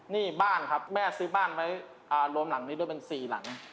นี่บ้านครับแม่ซื้อบ้านไว้รวมหลังนี้ด้วยเป็น๔หลัง